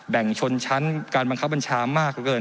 แบ่งชนชั้นการบังคับมัญชามากเกิน